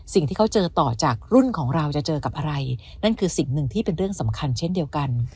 สิ่งที่เขาเจอต่อจากรุ่นของเราจะเจอกับอะไรนั่นคือสิ่งหนึ่งที่เป็นเรื่องสำคัญเช่นเดียวกัน